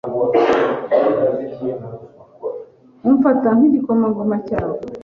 Umfata nk’igikomangoma cyawe